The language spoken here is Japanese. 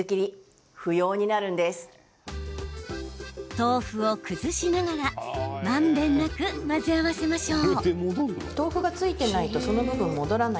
豆腐を崩しながらまんべんなく混ぜ合わせましょう。